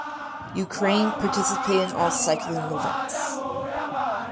Ukraine participated in all cycling events.